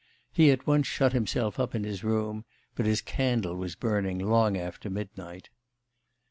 He at once shut himself up in his room, but his candle was burning long after midnight.